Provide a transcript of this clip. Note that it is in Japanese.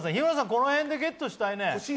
この辺でゲットしたいね。